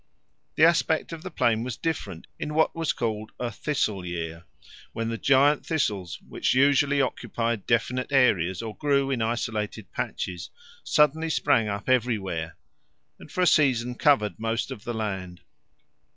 The aspect of the plain was different in what was called a "thistle year," when the giant thistles, which usually occupied definite areas or grew in isolated patches, suddenly sprang up everywhere, and for a season covered most of the land.